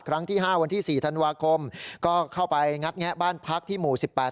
ครั้งที่ห้าวันที่สี่ธันวาคมก็เข้าไปงัดแงะบ้านพักที่หมู่สิบแปด